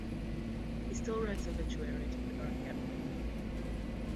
He still writes obituaries for The Guardian.